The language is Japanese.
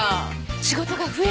仕事が増える。